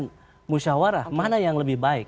dan musyawarah mana yang lebih baik